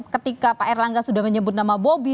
ketika pak erlangga sudah menyebut nama bobi